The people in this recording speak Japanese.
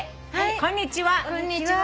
「こんにちは。